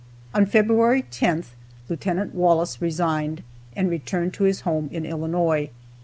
On February 10th, Lieutenant Wallace resigned, and returned to his home in Illinois.